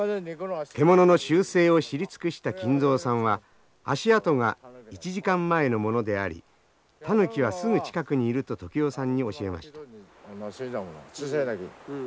獣の習性を知り尽くした金蔵さんは足跡が１時間前のものでありタヌキはすぐ近くにいると時男さんに教えました。